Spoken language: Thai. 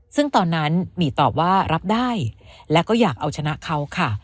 ซึ่งตอนนั้นหมี่ตอบว่ารับได้และก็อยากเอาชนะเขาค่ะ